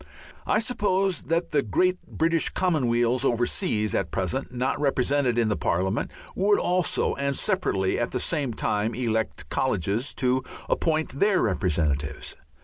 I suppose that the great British common weals over seas, at present not represented in Parliament, would also and separately at the same time elect colleges to appoint their representatives.